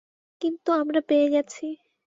কিন্তু আমরা পেয়ে গেছি।